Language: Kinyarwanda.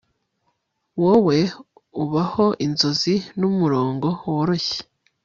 Wowe uboha inzozi mumurongo woroshye